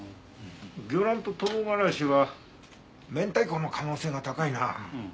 魚卵と唐辛子は明太子の可能性が高いな。